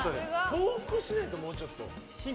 遠くしないと、もうちょっと。